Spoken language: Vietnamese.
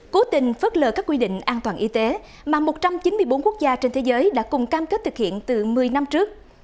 cố tình phớt lờ các quy định an toàn y tế mà một trăm chín mươi bốn quốc gia trên thế giới đã cùng cam kết thực hiện từ một mươi năm trước